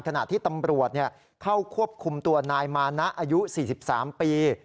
ขณะที่ตำรวจเข้าควบคุมตัวนายมานะอายุ๔๓ปี